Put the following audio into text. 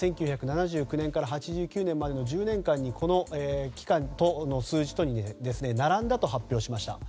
１９７９年から８９年までの１０年間の期間の数字に並んだと発表しました。